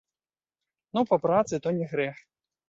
Ну, па працы, то не грэх.